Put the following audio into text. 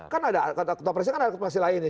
kan ada ketua presiden kan ada ketua presiden lainnya